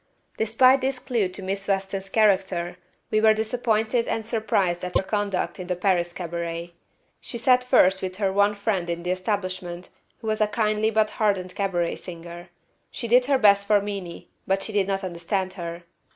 Despite this clue to Miss Weston's character, we were disappointed and surprised at her conduct in the Paris cabaret. She sat first with her one friend in the establishment, who was a kindly but hardened cabaret singer. She did her best for Meenie, but she did not understand her.